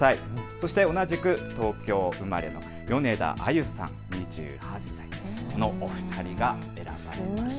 そして同じく東京生まれの米田あゆさん、２８歳のお二人が選ばれました。